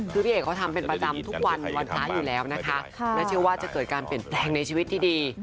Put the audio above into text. คือพี่เอกเขาทำเป็นประจำทุกวันวันพระอยู่แล้วนะคะและเชื่อว่าจะเกิดการเปลี่ยนแปลงในชีวิตที่ดี